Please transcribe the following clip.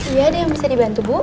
iya ada yang bisa dibantu bu